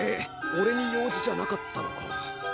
おれに用事じゃなかったのか。